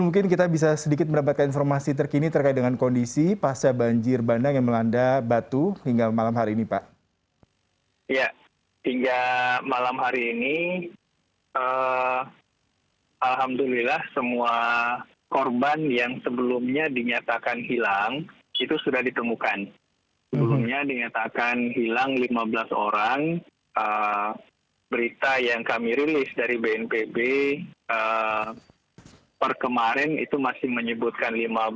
yang kami rilis dari bnpb per kemarin itu masih menyebutkan lima belas